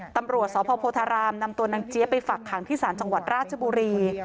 ตำรวจสพโพธารามนำตัวนางเจี๊ยบไปฝักขังที่ศาลจังหวัดราชบุรี